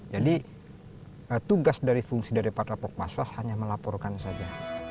jadi tugas dari fungsi dari pak rappok paswas hanya melaporkan saja